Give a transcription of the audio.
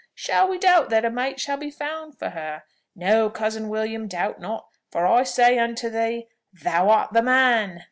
shall we doubt that a mate shall be found for her? No, cousin William; doubt not, for I say unto thee, 'Thou art the man!'"